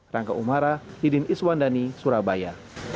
rangka umara didin iswandani surabaya